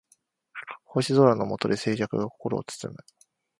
星空の下で静寂が心を包む